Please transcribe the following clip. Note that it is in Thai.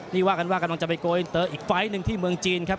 นี่ว่ากันว่ากำลังจะไปโกยอินเตอร์อีกไฟล์หนึ่งที่เมืองจีนครับ